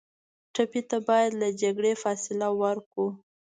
ټپي ته باید له جګړې فاصله ورکړو.